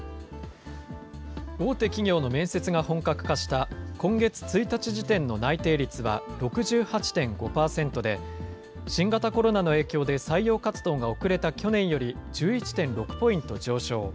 大手企業の面接が本格化した今月１日時点の内定率は６８．５％で、新型コロナの影響で採用活動が遅れた去年より１１．６ポイント上昇。